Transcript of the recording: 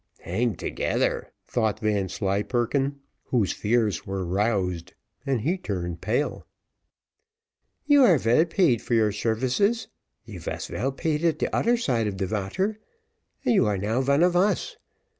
Hang together! thought Vanslyperken, whose fears were roused, and he turned pale. "You are vell paid for your shervices you vas vell paid at doder side of de vater, and you are now von of us.